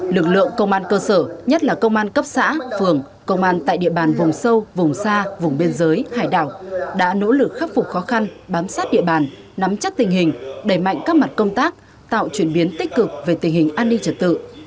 lực lượng công an cơ sở nhất là công an cấp xã phường công an tại địa bàn vùng sâu vùng xa vùng biên giới hải đảo đã nỗ lực khắc phục khó khăn bám sát địa bàn nắm chắc tình hình đẩy mạnh các mặt công tác tạo chuyển biến tích cực về tình hình an ninh trật tự